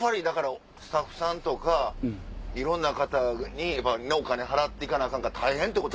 スタッフさんとかいろんな方にお金払って行かなアカンから大変ってこと。